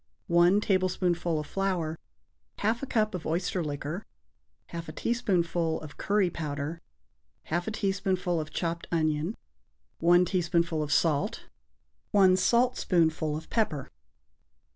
1 tablespoonful of flour. 1/2 a cup of oyster liquor. 1/2 a teaspoonful of curry powder. 1/2 a teaspoonful of chopped onion. 1 teaspoonful of salt. 1 saltspoonful of pepper.